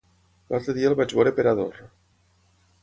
L'altre dia el vaig veure per Ador.